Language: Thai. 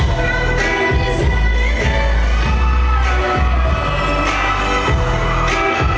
สวัสดีครับ